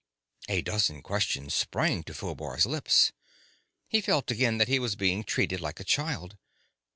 A dozen questions sprang to Phobar's lips. He felt again that he was being treated like a child.